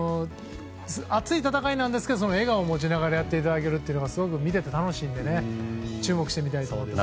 熱い戦いなんですけど笑顔を持ちながらやっていただけるというのはすごく見てて楽しいので注目したいですね。